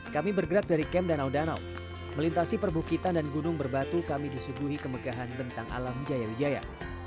kami bergerak dari kem danau danau melintasi perbukitan dan gunung berbatu kami disuguhi kemegahan bentang alam jaya wijaya